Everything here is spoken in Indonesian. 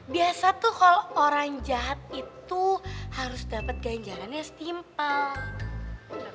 biasa tuh kalo orang jahat itu harus dapet ganjarannya setimpal